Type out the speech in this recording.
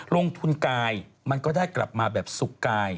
ลงทุนกายมันก็ได้กลับมาแบบสุขกาย